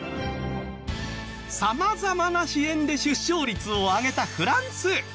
様々な支援で出生率を上げたフランス。